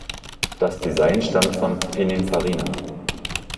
Das Design stammt von Pininfarina.